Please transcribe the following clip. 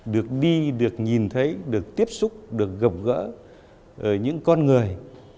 được đi được nhìn thấy được tiếp xúc được gặp gỡ những con người